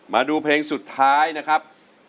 มาดูเพลงสุดท้ายนะครับ